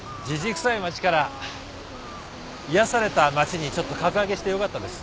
くさい町から癒やされた町にちょっと格上げしてよかったです。